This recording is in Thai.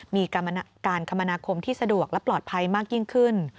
มีการคมนาคมที่สะดวกและปลอดภัยมากยิ่งขึ้น